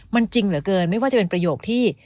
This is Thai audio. มันจริงเหลือเกินไม่ว่าจะเป็นประโยคที่